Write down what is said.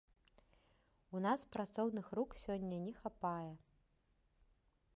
У нас працоўных рук сёння не хапае.